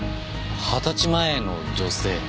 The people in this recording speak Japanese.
二十歳前の女性。